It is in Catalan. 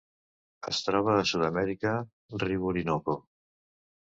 Es troba a Sud-amèrica: riu Orinoco.